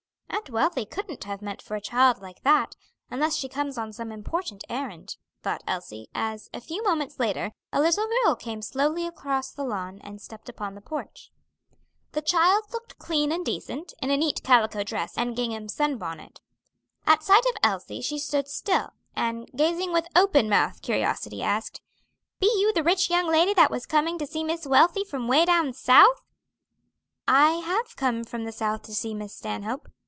"Aunt Wealthy couldn't have meant for a child like that, unless she comes on some important errand," thought Elsie, as, a few moments later, a little girl came slowly across the lawn and stepped upon the porch. The child looked clean and decent, in a neat calico dress and gingham sun bonnet. At sight of Elsie she stood still, and, gazing with open mouthed curiosity, asked, "Be you the rich young lady that was coming to see Miss Wealthy from 'way down south?" "I have come from the South to see Miss Stanhope.